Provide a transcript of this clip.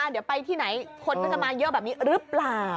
เดี๋ยวไปที่ไหนคนก็จะมาเยอะแบบนี้หรือเปล่า